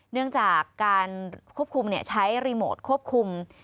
เนื่องจากการควบคุมใช้รีโมทควบคุม